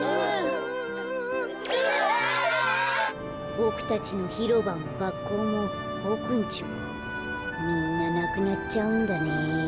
ボクたちのひろばもがっこうもボクんちもみんななくなっちゃうんだね。